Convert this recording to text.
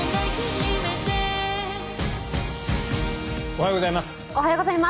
おはようございます。